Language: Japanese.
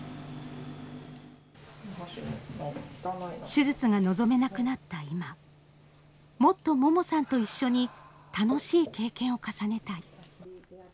手術が望めなくなった今、もっと桃さんと一緒に楽しい経験を重ねたい。